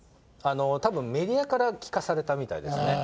多分メディアから聞かされたみたいですね。